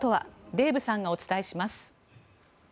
デーブさんがお伝えします。